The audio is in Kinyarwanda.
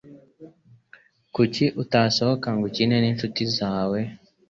Kuki utasohoka ngo ukine ninshuti zawe